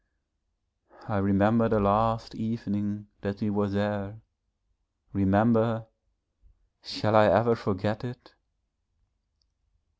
I remember the last evening that we were there remember shall I ever forget it?